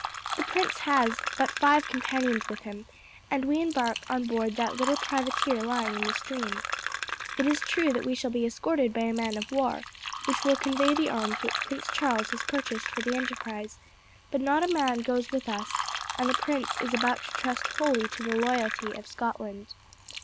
The prince has but five companions with him, and we embark on board that little privateer lying in the stream. It is true that we shall be escorted by a man of war, which will convey the arms which Prince Charles has purchased for the enterprise; but not a man goes with us, and the prince is about to trust wholly to the loyalty of Scotland."